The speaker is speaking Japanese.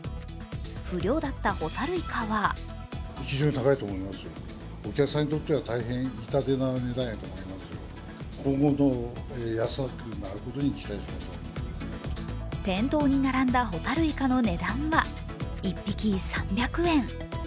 不漁だったホタルイカは店頭に並んだホタルイカの値段は、１匹３００円。